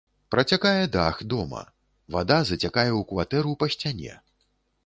Працякае дах дома, вада зацякае ў кватэру па сцяне.